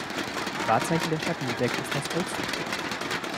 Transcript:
Wahrzeichen der Stadt Lübeck ist das Holstentor.